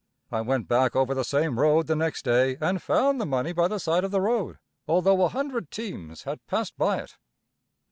I went back over the same road the next day and found the money by the side of the road, although a hundred teams had passed by it.